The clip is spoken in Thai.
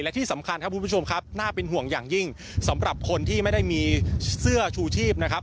และที่สำคัญครับคุณผู้ชมครับน่าเป็นห่วงอย่างยิ่งสำหรับคนที่ไม่ได้มีเสื้อชูชีพนะครับ